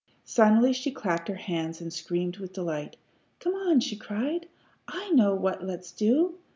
Suddenly she clapped her hands and screamed with delight. "Come on!" she cried. "I know what let's do."